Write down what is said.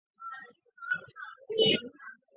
缺叉石蛾属为毛翅目指石蛾科底下的一个属。